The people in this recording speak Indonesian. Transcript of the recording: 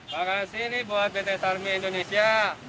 terima kasih ini buat bts army indonesia